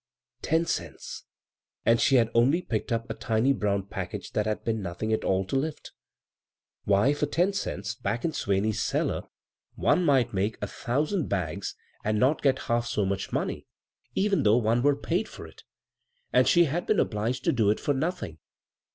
Ten cents I — and she had only picked up a tiny brown package that hod been nothing at all to lifL Why, for ten cents, back in Swaney's cellar, one might make a thousand bags and not b, Google CROSS CURRENTS get half so much money, even though one were paid for it — and she had been obliged to do it for nothing.